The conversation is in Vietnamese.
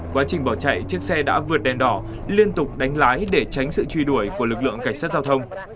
quá trình bỏ chạy chiếc xe đã vượt đèn đỏ liên tục đánh lái để tránh sự truy đuổi của lực lượng cảnh sát giao thông